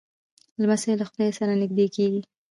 لمسی له خدای سره نږدې کېږي.